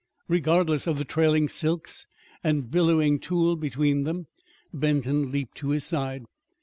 Regardless of the trailing silks and billowing tulle between them, Benton leaped to his side.